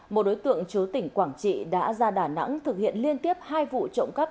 một đối tượng chú tỉnh quảng trị đã ra đà nẵng thực hiện liên tiếp hai vụ trộm cắp